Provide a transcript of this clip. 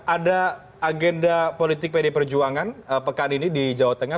ada agenda politik pdi perjuangan pekan ini di jawa tengah